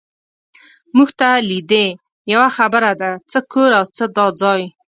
مونږ ته لیدې، یوه خبره ده، څه کور او څه دا ځای.